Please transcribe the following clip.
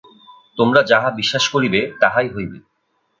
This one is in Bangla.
তোমরা যাহা বিশ্বাস করিবে, তাহাই হইবে।